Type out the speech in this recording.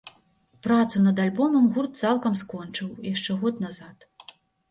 Працу над альбомам гурт цалкам скончыў яшчэ год назад.